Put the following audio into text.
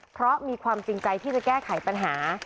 เพราะมีความจริงใจที่จะแก้ไขปัญหา